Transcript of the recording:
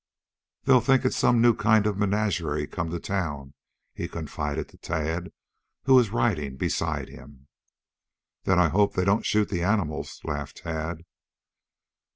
"They'll think it's some new kind of a menagerie come to town," he confided to Tad, who was riding beside him. "Then I hope they don't shoot the animals," laughed Tad.